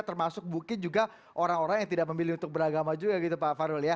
termasuk mungkin juga orang orang yang tidak memilih untuk beragama juga gitu pak farul ya